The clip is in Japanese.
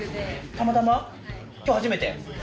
たまたま、きょう初めて？